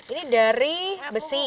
ini dari besi